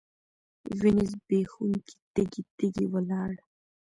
وینې ځبېښونکي تږي، تږي ولاړ